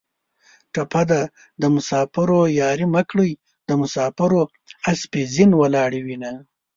ټپه ده: د مسافرو یارۍ مه کړئ د مسافرو اسپې زین ولاړې وینه